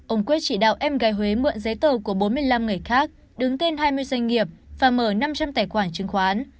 ông quyết chỉ đạo em gái huế mượn giấy tờ của bốn mươi năm người khác đứng tên hai mươi doanh nghiệp và mở năm trăm linh tài khoản chứng khoán